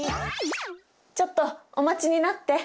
ちょっとお待ちになって。